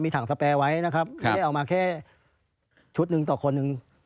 ถังสแปรไว้นะครับไม่ได้เอามาแค่ชุดหนึ่งต่อคนหนึ่ง